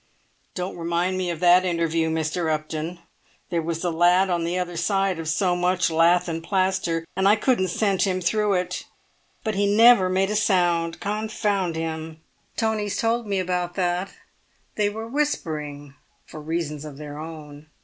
"Don't remind me of that interview, Mr. Upton; there was the lad on the other side of so much lath and plaster, and I couldn't scent him through it! But he never made a sound, confound him!" "Tony's told me about that; they were whispering, for reasons of their own."